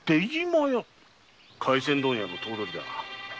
廻船問屋の頭取だ。